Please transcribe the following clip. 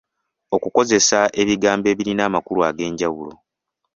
Okukozesa ebigambo ebirina amakulu ag’enjawulo.